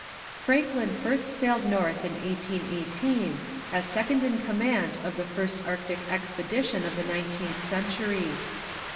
Franklin first sailed north in 1818, as second in command of the first Arctic expedition of the nineteenth century.